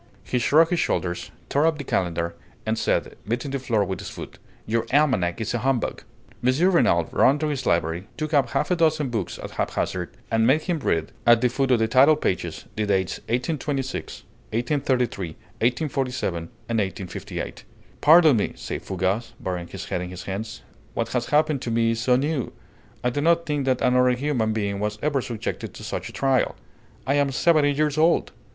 He shrugged his shoulders, tore up the calendar, and said, beating the floor with his foot, "Your almanac is a humbug!" M. Renault ran to his library, took up half a dozen books at haphazard, and made him read, at the foot of the title pages, the dates 1826, 1833, 1847, and 1858. "Pardon me!" said Fougas, burying his head in his hands. "What has happened to me is so new! I do not think that another human being was ever subjected to such a trial. I am seventy years old!"